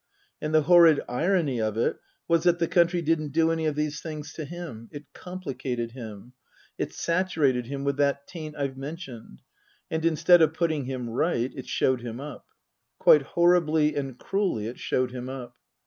And the horrid irony of it was that the country didn't do any of these things to him ; it complicated him, it saturated him with that taint I've mentioned, and instead of putting him right it showed him up. Quite horribly and cruelly it showed him up.